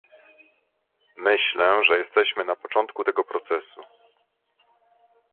Myślę, że jesteśmy na początku tego procesu